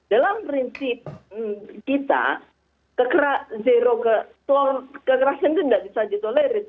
dalam prinsip kita kekerasan itu tidak bisa ditolerit